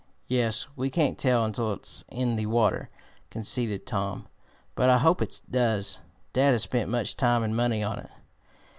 "Yes, we can't tell until it's in the water," conceded Tom. "But I hope it does. Dad has spent much time and money on it."